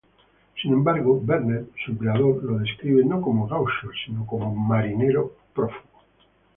Sin embargo, Vernet, su empleador, lo describe no como gaucho, sino 'marinero prófugo'.